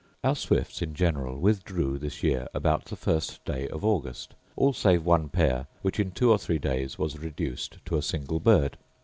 Our swifts, in general, withdrew this year about the first day of August, all save one pair, which in two or three days was reduced to a single bird.